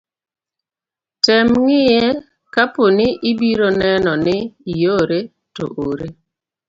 tem ng'iye kapo ni ibiro neno ni iore, to ore.